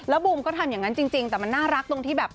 บูมก็ทำอย่างนั้นจริงแต่มันน่ารักตรงที่แบบ